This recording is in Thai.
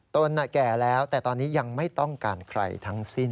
ตนแก่แล้วแต่ตอนนี้ยังไม่ต้องการใครทั้งสิ้น